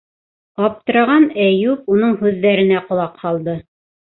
Аптыраған Әйүп уның һүҙҙәренә ҡолаҡ һалды: